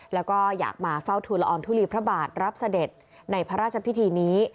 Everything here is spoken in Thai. แล้วก็อยากมาเฝ้าทุลอองทุลีพระบาทรับเสด็จในพระราชพิธีนี้